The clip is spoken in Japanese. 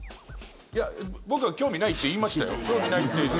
いや僕は興味ないって言いましたよ。